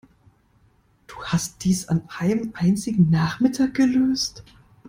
Du hast dies an einem einzigen Nachmittag gelöst?